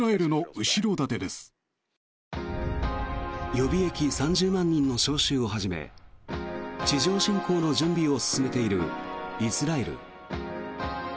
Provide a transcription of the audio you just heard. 予備役３０万人の招集をはじめ地上侵攻の準備を進めているイスラエル。